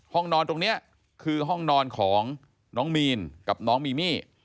ห้องนอนตรงนี้คือห้องนอนของน้องมีนกับน้องมีมี่